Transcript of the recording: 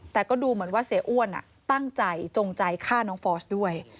แต่ก็ดูเหมือนว่าเสียอ้วนตั้งใจจงใจฆ่าน้องฟอสด้วย